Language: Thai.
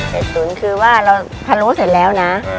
เป็ดตุ๋นคือว่าแล้วพะล้มเสร็จแล้วนะ